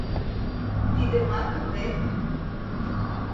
— Тиде маке вет?